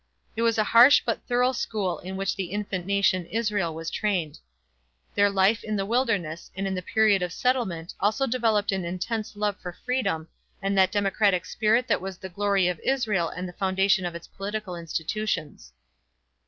It was a harsh but thorough school in which the infant nation Israel was trained. Their life in the wilderness and in the period of settlement also developed an intense love for freedom and that democratic spirit that was the glory of Israel and the foundation of its political institutions.